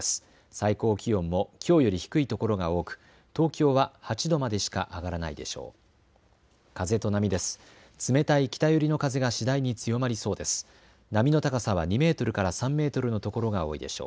最高気温もきょうより低いところが多く東京は８度までしか上がらないでしょう。